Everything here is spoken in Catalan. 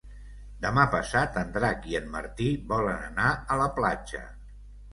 Demà passat en Drac i en Martí volen anar a la platja.